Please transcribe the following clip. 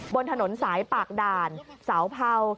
บนถนนสายปากด่านเสาเผา